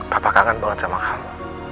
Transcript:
papa kangen banget sama kamu